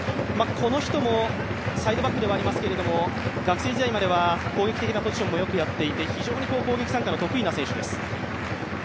この人もサイドバックではありますけども学生時代までは攻撃的なポジションもよくやっていて、非常に攻撃参加の得意な選手です。